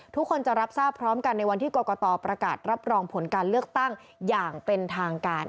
ทุกคนจะรับทราบพร้อมกันในวันที่กรกตประกาศรับรองผลการเลือกตั้งอย่างเป็นทางการ